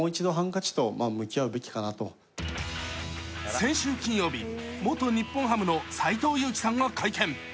先週金曜日、元日本ハムの斎藤佑樹さんが会見。